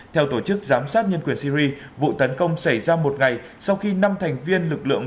theo tổ chức giám sát nhân quyền syri vụ tấn công xảy ra một ngày sau khi năm thành viên lực lượng